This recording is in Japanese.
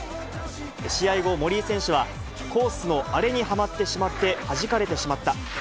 試合後、森井選手は、コースの荒れにはまってしまって、はじかれてしまった。